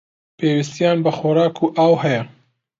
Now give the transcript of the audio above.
پێویستیان بە خۆراک و ئاو هەیە.